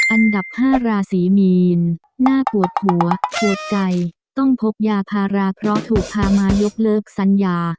อันดับ๕ราศีมีนน่าปวดหัวปวดใจต้องพกยาภาระเพราะถูกพามายกเลิกสัญญา